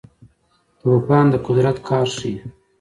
طوفان د قدرت قهر ښيي.